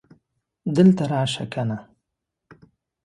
دلته راشه کنه